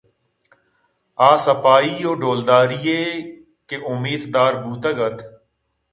آ صفائی ءُ ڈولداری ئےءِکہ اُمیت دارگ بوتگ ات